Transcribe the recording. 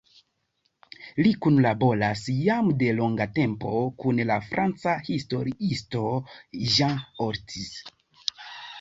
Li kunlaboras jam de longa tempo kun la franca historiisto Jean Ortiz.